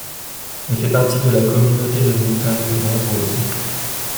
Elle fait partie de la communauté de montagne Mont-Rose.